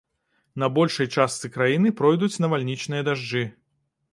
На большай частцы краіны пройдуць навальнічныя дажджы.